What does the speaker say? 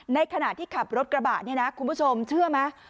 ในขณะที่ขับรถกระบะเนี่ยนะคุณผู้ชมเชื่อไหม